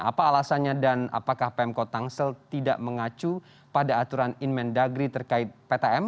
apa alasannya dan apakah pemkot tangsel tidak mengacu pada aturan inmen dagri terkait ptm